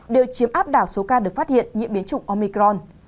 đều chiếm áp đảo số ca được phát hiện nhiễm biến chủng omicron